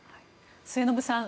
末延さん